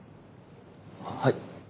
はい。